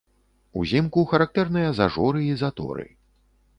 Узімку характэрныя зажоры і заторы.